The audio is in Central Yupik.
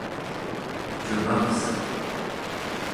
cungavseq